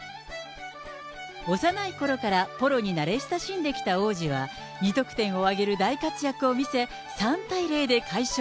幼いころからポロに慣れ親しんできた王子は、２得点を挙げる大活躍を見せ、３対０で快勝。